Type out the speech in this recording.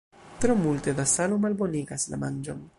Tro multe da salo malbonigas la manĝon.